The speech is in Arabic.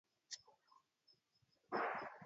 لم أكن واثقا مما يجري.